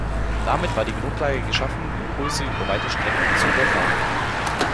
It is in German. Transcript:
Damit war die Grundlage geschaffen, Impulse über weite Strecken zu übertragen.